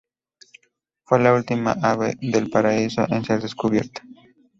Fue la última ave del paraíso en ser descubierta.